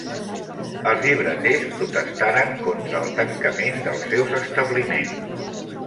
Els llibreters protestaran contra el tancament dels seus establiments.